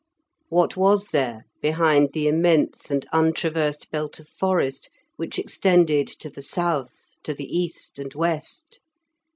What was there behind the immense and untraversed belt of forest which extended to the south, to the east, and west?